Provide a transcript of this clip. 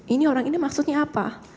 ini orang ini maksudnya apa